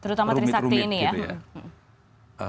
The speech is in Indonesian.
terutama trisakti ini ya